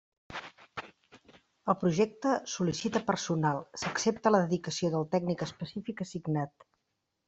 El projecte sol·licita personal, s'accepta la dedicació del tècnic específic assignat.